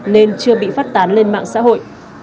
nên chưa bị phát tán lên mạng xã hội